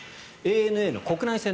ＡＮＡの国内線。